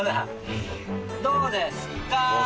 どうですか？